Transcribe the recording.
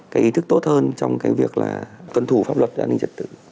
cái ý thức tốt hơn trong cái việc là tuân thủ pháp luật về an ninh trật tự